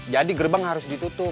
jadi gerbang harus ditutup